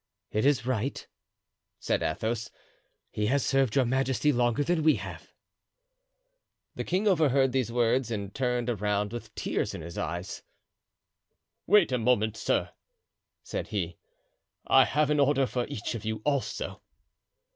"It is right," said Athos; "he has served your majesty longer than we have." The king overheard these words and turned around with tears in his eyes. "Wait a moment, sir," said he; "I have an order for each of you also."